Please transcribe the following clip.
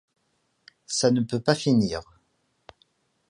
Ça ne peut pas finir...